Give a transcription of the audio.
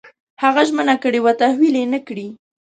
هغه ژمنه کړې وه تحویل یې نه کړې.